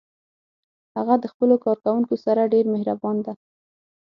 هغه د خپلو کارکوونکو سره ډیر مهربان ده